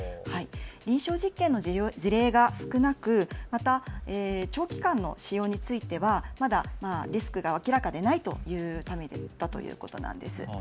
臨床実験の事例が少なくまた長期間の使用についてはリスクが明らかでないというためだということなんです。